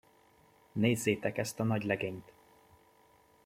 Nézzétek ezt a nagy legényt!